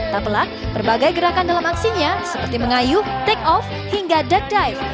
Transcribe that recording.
tak pelak berbagai gerakan dalam aksinya seperti mengayuh take off hingga deard dive